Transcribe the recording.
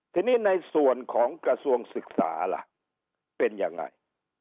ทีนี้ในส่วนของกระทรวงศึกษาล่ะเป็นยังไง